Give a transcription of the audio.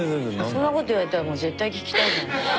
そんなこと言われたらもう絶対聞きたいじゃん。